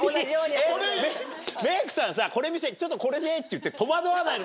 メイクさんさちょっとこれでって言って戸惑わないの？